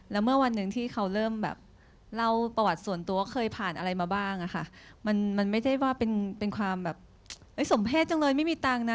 แล้วเมื่อวันหนึ่งที่เขาเริ่มแบบเล่าประวัติส่วนตัวเคยผ่านอะไรมาบ้างอะค่ะมันไม่ได้ว่าเป็นความแบบสมเพศจังเลยไม่มีตังค์นะ